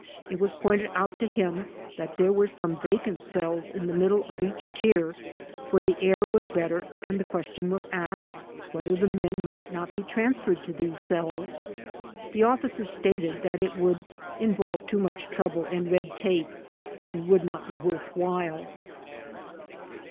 It was pointed out to him that there were some vacant cells in the middle of each tier where the air was better and the question was asked whether the men might not be transferred to these cells. The officer stated that it would involve too much trouble and red tape and would not be worth while.